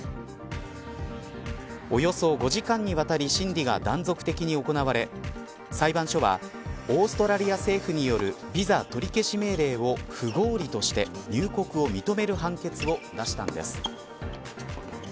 およそ５時間にわたり審理が断続的に行われ裁判所はオーストラリア政府によるビザ取り消し命令を不合理として入国を認める判決を出したんです。